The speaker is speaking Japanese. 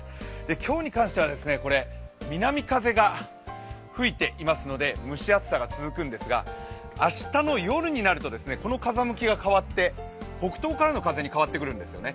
今日に関しては、南風が吹いていますので、蒸し暑さが続くんですが明日の夜になると、この風向きが変わって北東からの風に変わってくるんですよね、